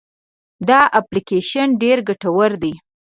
دا اپلیکیشن ډېر ګټور دی.